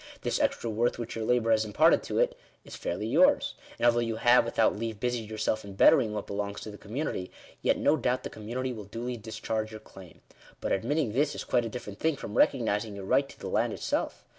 This extra worth which your labour has imparted to it is fairly yours ; and although you have, without leave, busied yourself in bettering what belongs to the community, yet no doubt the community will duly discharge your claim. But admitting this, is quite a different thing from recognising your right to the land itself.